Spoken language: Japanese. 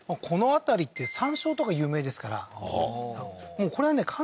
この辺りって山椒とか有名ですからもうこれはね